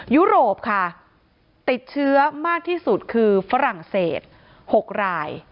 ยุโรปค่ะติดเชื้อมากที่สุดคือฝรั่งเศส๖ราย